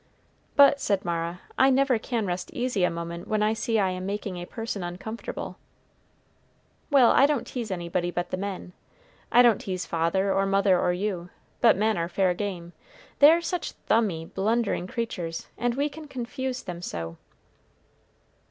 "But," said Mara, "I never can rest easy a moment when I see I am making a person uncomfortable." "Well, I don't tease anybody but the men. I don't tease father or mother or you, but men are fair game; they are such thumby, blundering creatures, and we can confuse them so."